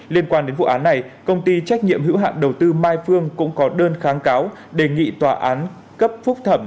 liên quan đến vụ án này công ty trách nhiệm hữu hạn đầu tư mai phương cũng có đơn kháng cáo đề nghị tòa án cấp phúc thẩm